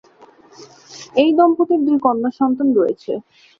এই দম্পতির দুই কন্যা সন্তান রয়েছে।